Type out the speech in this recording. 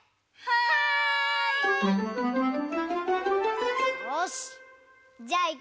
はい！